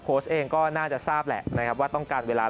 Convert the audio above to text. เองก็น่าจะทราบแหละนะครับว่าต้องการเวลา